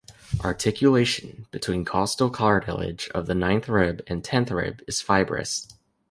Articulation between costal cartilage of the ninth rib and tenth rib is fibrous.